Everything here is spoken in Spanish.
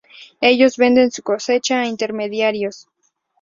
Ellos venden su cosecha a intermediarios.